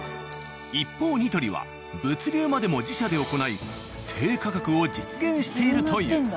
一方「ニトリ」は物流までも自社で行い低価格を実現しているという。